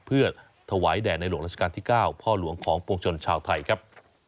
เพื่อถวายแด่ในหลวงราชการที่๙พ่อหลวงของปวงชนชาวไทยครับ